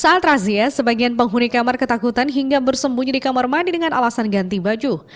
saat razia sebagian penghuni kamar ketakutan hingga bersembunyi di kamar mandi dengan alasan ganti baju